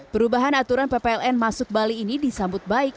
perubahan aturan ppln masuk bali ini disambut baik